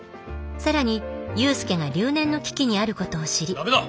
更に勇介が留年の危機にあることを知りダメだ！